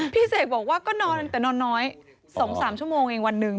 เสกบอกว่าก็นอนแต่นอนน้อย๒๓ชั่วโมงเองวันหนึ่ง